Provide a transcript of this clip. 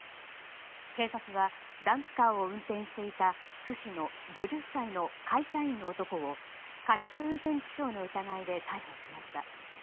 警察はダンプカーを運転していた津市の５０歳の会社員の男を過失運転致傷の疑いで逮捕しました。